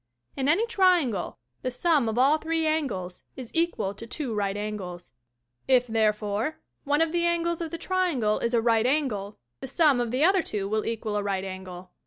In any triangle the sum of all three angles is equal to two right angles. If, therefore, one of the angles EDITH WHARTON 9 of the triangle is a right angle, the sum of the other two will equal a right angle.